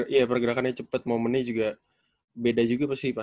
iya pergerakannya cepet momentnya juga beda juga pasti ya